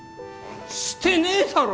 してねえだろ！